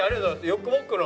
ヨックモックの。